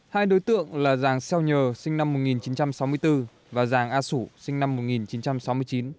hai đối tượng là giàng xeo nhờ sinh năm một nghìn chín trăm sáu mươi bốn và giàng a sủ sinh năm một nghìn chín trăm sáu mươi chín